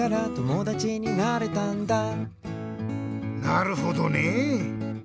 なるほどね。